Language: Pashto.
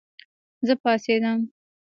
زه پاڅېدم